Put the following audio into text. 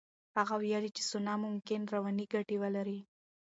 هغه ویلي چې سونا ممکن رواني ګټې ولري.